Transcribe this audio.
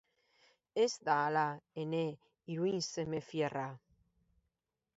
Ez da hala, ene iruinseme fierra?